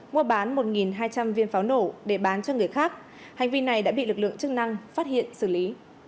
mua bán một hai trăm linh viên pháo nổ để bán cho người khác hành vi này đã bị lực lượng chức năng phát hiện xử lý